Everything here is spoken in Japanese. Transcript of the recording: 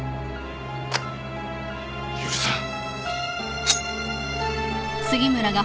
許さん。